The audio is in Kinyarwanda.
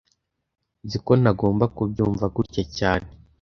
Nzi ko ntagomba kubyumva gutya cyane